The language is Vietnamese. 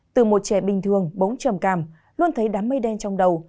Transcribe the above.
từ một trẻ bình thường bống chầm càm luôn thấy đám mây đen trong đầu